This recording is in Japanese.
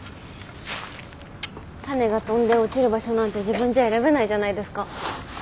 種が飛んで落ちる場所なんて自分じゃ選べないじゃないですか。